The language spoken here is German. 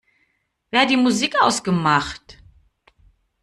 Wer hat die Musik ausgemacht?